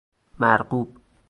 مرغوب